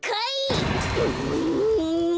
うん。